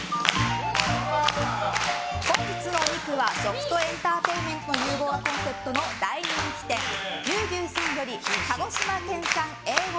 本日のお肉は、食とエンターテインメントの融合がコンセプトの大人気店牛牛さんより鹿児島県産Ａ５